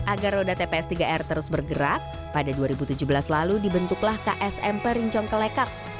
agar roda tps tiga r terus bergerak pada dua ribu tujuh belas lalu dibentuklah ksm perincong kelekap